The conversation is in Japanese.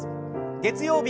月曜日